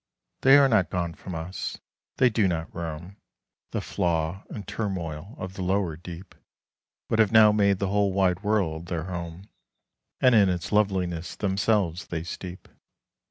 They are not gone from us; they do not roam The flaw and turmoil of the lower deep, But have now made the whole wide world their home, And in its loveliness themselves they steep.